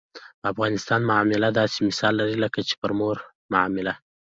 په افغانستان معامله داسې مثال لري لکه چې پر مور معامله.